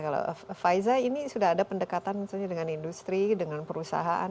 kalau faiza ini sudah ada pendekatan misalnya dengan industri dengan perusahaan